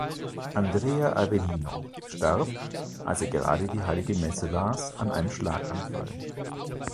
Andrea Avellino starb, als er gerade die Heilige Messe las, an einem Schlaganfall.